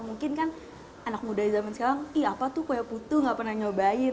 mungkin kan anak muda zaman sekarang ih apa tuh kue putu gak pernah nyobain